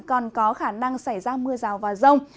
còn có khả năng xảy ra mưa rào và rông